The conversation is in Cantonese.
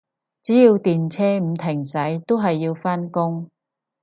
只要電車唔停駛，都係要返工